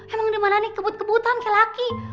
emang dimana nih kebut kebutan laki laki